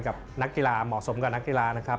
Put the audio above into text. กับนักกีฬาเหมาะสมกับนักกีฬานะครับ